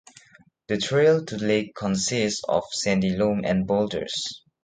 The trail to the lake consists of sandy loam and boulders.